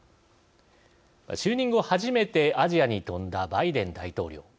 就任後初めて、アジアに飛んだバイデン大統領。